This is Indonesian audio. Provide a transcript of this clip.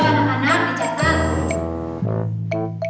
dan mereka tidak gostoh